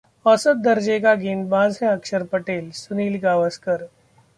औसत दर्जे का गेंदबाज है अक्षर पटेलः सुनील गावस्कर